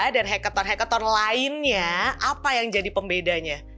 dan hackathon hackathon lainnya apa yang jadi pembedanya